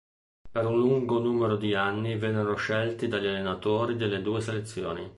Per un lungo numero di anni vennero scelti dagli allenatori delle due selezioni.